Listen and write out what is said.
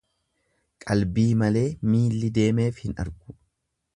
Qalbii malee miilli deemeef hin argu.